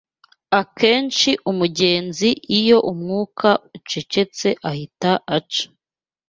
Akenshi umugenzi iyo umwuka ucecetse ahita aca